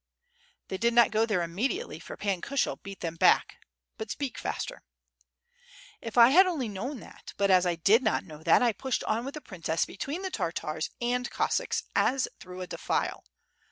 "They did not go there immediately, for Pan Kushel beat them back. But speak faster." WITH FIRE AND 8 WORD, goj. "If 1 had only known that; but as I did not know it I pushed on with the princess between the Tartars and Cos sacks, as through a defile.